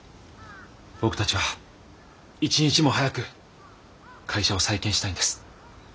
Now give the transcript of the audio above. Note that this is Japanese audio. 僕たちは一日も早く会社を再建したいんです。